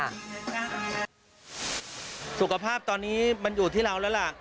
สุขภาพตอนนี้มันอยู่ที่เราแล้วล่ะ